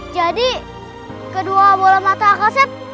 jadi kedua bola mata akasep